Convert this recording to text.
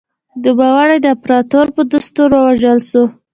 نوموړی د امپراتور په دستور ووژل شو